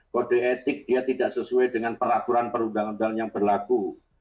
kode etik dia tidak sesuai dengan peraturan perundang undangan yang berlaku